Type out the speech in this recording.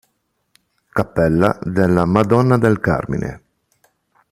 Cappella della Madonna del Carmine